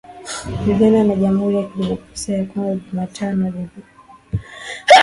Uganda na Jamhuri ya Kidemokrasia ya Kongo Jumatano ziliongeza operesheni ya pamoja ya kijeshi